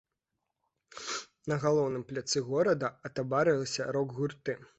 На галоўным пляцы горада атабарылася рок-гурты.